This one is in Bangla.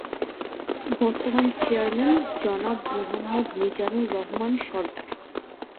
বর্তমান চেয়ারম্যান-জনাব মোহাম্মদ মিজানুর রহমান সরদার।